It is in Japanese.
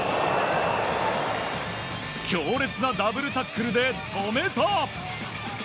強烈なダブルタックルで止めた！